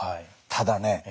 ただね